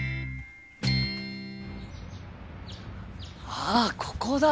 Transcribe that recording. あっここだ！